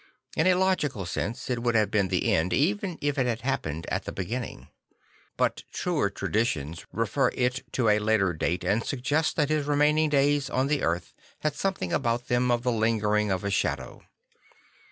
In a logical sense, it would have been the end even if it had happened at the beginning. But truer traditions refer it to a later date and suggest that his remaining days on the earth had something about them of the lingering of a shadow.